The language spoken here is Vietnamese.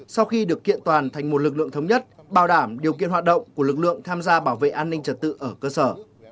sau khi được kiện toàn thành một lực lượng thống nhất bảo đảm điều kiện hoạt động của lực lượng tham gia bảo vệ an ninh trật tự ở cơ sở